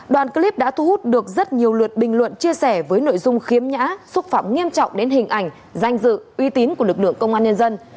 đoàn clip đã thu hút được rất nhiều lượt bình luận chia sẻ với nội dung khiếm nhã xúc phạm nghiêm trọng đến hình ảnh danh dự uy tín của lực lượng công an nhân dân